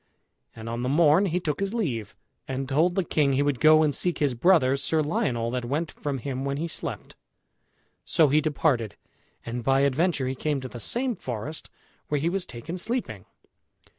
And on the morn he took his leave, and told the king he would go and seek his brother, Sir Lionel, that went from him when he slept. So he departed, and by adventure he came to the same forest where he was taken sleeping.